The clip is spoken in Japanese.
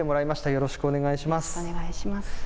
よろしくお願いします。